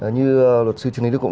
như luật sư trần lý đức cộng